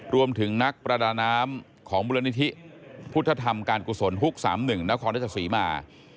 รวมถึงนักประดาน้ำของบริวนิธิพุทธธรรมการกุศลฮุกษ์๓๑นะครัฐศรีมา